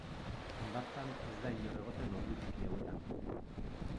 Hondartzan ez da inor egoten ordu txiki hauetan.